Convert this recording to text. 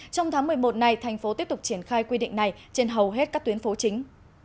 trong tháng một mươi một này thành phố tiếp tục triển khai quy định này trên hầu hết các tuyến phố chính